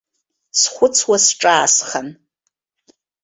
Схәыцуа сҿаасхан.